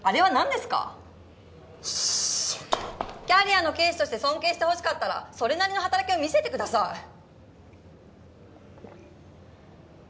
キャリアの警視として尊敬してほしかったらそれなりの働きを見せてください。